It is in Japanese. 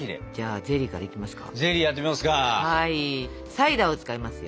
サイダーを使いますよ。